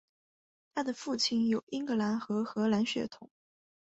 她的父亲有英格兰和荷兰血统。